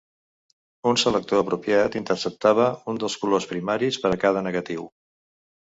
Un selector apropiat interceptava un dels colors primaris per a cada negatiu.